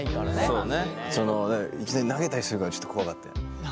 そのいきなり投げたりするからちょっと怖かったね。